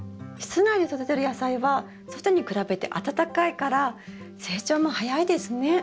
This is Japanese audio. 室内で育てる野菜は外に比べて暖かいから成長も早いですね。